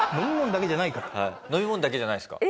飲み物だけじゃないんですか？